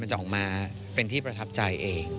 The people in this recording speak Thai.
พี่ว่าความมีสปีริตของพี่แหวนเป็นตัวอย่างที่พี่จะนึกถึงเขาเสมอ